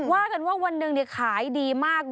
ว่ากันว่าวันหนึ่งขายดีมาก